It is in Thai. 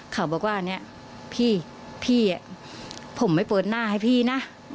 เขาบอกว่าเนี่ยพี่ผมไม่เปิดหน้าให้พี่นะ